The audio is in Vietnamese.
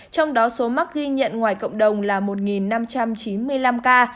trong đó số mắc ghi nhận ngoài cộng đồng là một năm trăm chín mươi năm ca